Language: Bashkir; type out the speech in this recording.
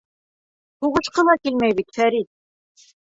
Һуғышҡы ла килмәй бит, Фәрит.